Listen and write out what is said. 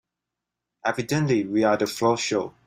Evidently we're the floor show.